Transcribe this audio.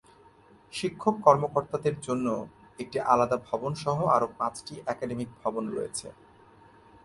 শিক্ষক-কর্মকর্তাদের জন্য একটি আলাদা ভবন সহ আরো পাঁচটি একাডেমিক ভবন রয়েছে।